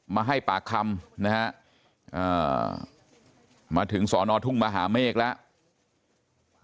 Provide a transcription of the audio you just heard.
มาให้ปากคำนะฮะมาถึงสอนอทุ่งมหาเมฆแล้ว